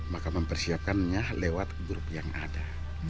maka mempersiapkannya lewat grup yang ada